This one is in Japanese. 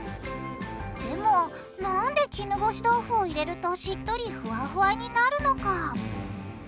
でもなんで絹ごし豆腐を入れるとしっとりフワフワになるのか？